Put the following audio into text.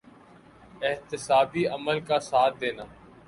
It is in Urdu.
احتسابی عمل کا ساتھ دینا۔